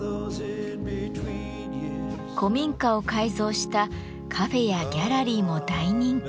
古民家を改造したカフェやギャラリーも大人気。